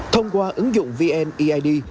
thông qua ứng dụng vneid